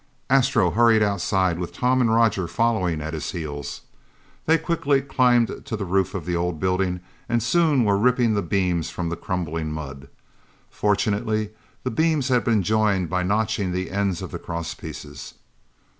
Astro hurried outside, with Tom and Roger following at his heels. They quickly climbed to the roof of the old building and soon were ripping the beams from the crumbling mud. Fortunately the beams had been joined by notching the ends of the crosspieces.